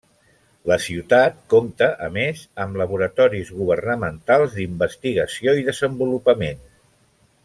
La ciutat compte, a més, amb laboratoris governamentals d'investigació i desenvolupament.